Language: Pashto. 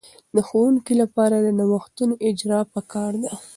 د ښوونکې لپاره د نوښتونو اجراء په کار ده.